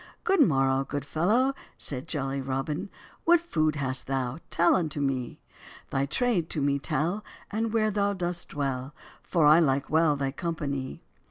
"Good morrow, good fellow," said jolly Robin, "What food hast [thou]? tell unto me; Thy trade to me tell, and where thou dost dwell, For I like well thy company."